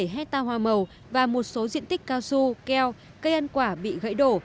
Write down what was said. bảy hectare hoa màu và một số diện tích cao su keo cây ăn quả bị gãy đổ